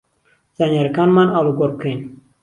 زانیارییەکانمان ئاڵوگۆڕ بکەین